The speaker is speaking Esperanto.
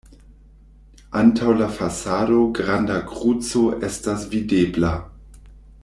Antaŭ la fasado granda kruco estas videbla.